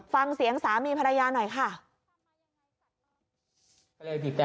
ฟังเสียงสามีภรรยาหน่อยค่ะ